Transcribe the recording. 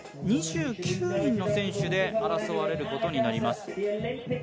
２９人の選手で争われることになります。